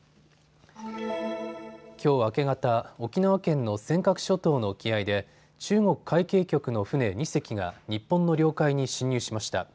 きょう明け方、沖縄県の尖閣諸島の沖合で中国海警局の船２隻が日本の領海に侵入しました。